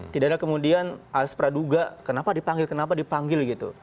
tidak ada kemudian as praduga kenapa dipanggil kenapa dipanggil gitu